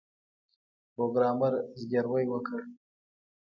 پروګرامر زګیروی وکړ